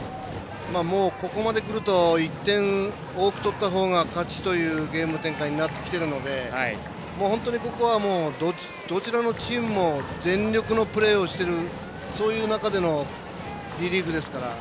ここまでくると１点多く取ったほうが勝ちというゲーム展開になってきているので本当に、ここはどちらのチームも全力のプレーをしているそういう中でのリリーフですから。